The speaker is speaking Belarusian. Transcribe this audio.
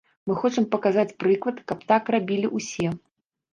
Мы хочам паказаць прыклад, каб так рабілі ўсе.